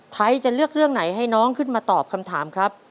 ไทยจะเลือกเรื่องไหนให้น้องขึ้นมาตอบคำถามครับ